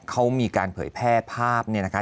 เขามีการเผยแพร่ภาพเนี่ยนะคะ